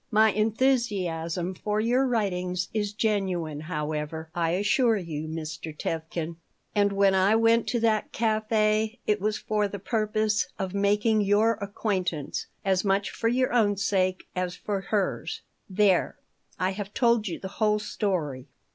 My enthusiasm for your writings is genuine, however, I assure you, Mr. Tevkin. And when I went to that café it was for the purpose of making your acquaintance, as much for your own sake as for hers. There, I have told you the whole story."